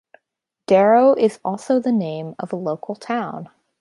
Darro is also the name of a local town.